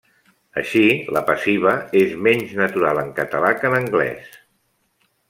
Així, la passiva és menys natural en català que en anglès.